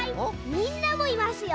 みんなもいますよ。